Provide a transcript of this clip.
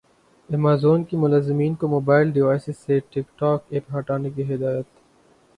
Amazon کی ملازمین کو موبائل ڈیوائسز سے ٹک ٹاک ایپ ہٹانے کی ہدایت